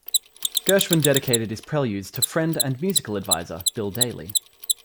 Gershwin dedicated his Preludes to friend and musical advisor Bill Daly.